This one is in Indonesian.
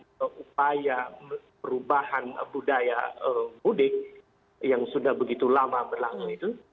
atau upaya perubahan budaya mudik yang sudah begitu lama berlangsung itu